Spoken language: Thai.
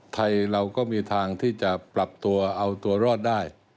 ไทยเราก็มีทางที่จะปรับตัวเอาตัวรอดได้